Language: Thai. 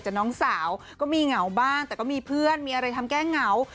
แต่น้องสาวก็มีเหงาบ้างแต่ก็มีเพื่อนมีอะไรทำแก้เหงา